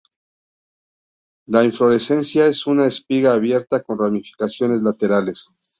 La inflorescencia es una espiga abierta con ramificaciones laterales.